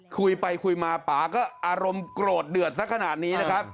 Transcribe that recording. คุยไปคุยมาป่าก็อารมณ์โกรธเดือดสักขนาดนี้นะครับ